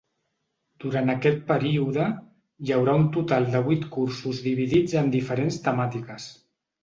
Durant aquest període, hi haurà un total de vuit cursos dividits en diferents temàtiques.